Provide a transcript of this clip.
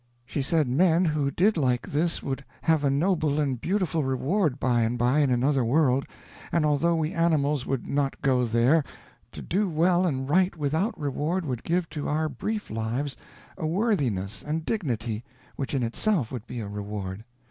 She said men who did like this would have a noble and beautiful reward by and by in another world, and although we animals would not go there, to do well and right without reward would give to our brief lives a worthiness and dignity which in itself would be a reward.